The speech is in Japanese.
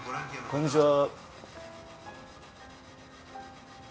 こんにちは。